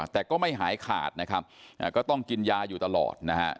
แต่ก็ไม่หายขาดนะครับก็ต้องกินยาอยู่ตลอดนะฮะ